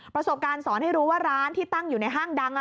ประสบการณ์สอนให้รู้ว่าร้านที่ตั้งอยู่ในห้างดัง